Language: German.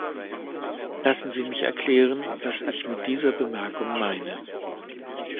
Lassen Sie mich erklären, was ich mit dieser Bemerkung meine.